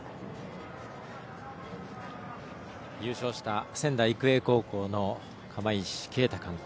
優勝した仙台育英高校の釜石慶太監督。